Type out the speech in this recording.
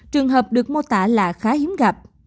trường hợp được mô tả là khá hiếm gặp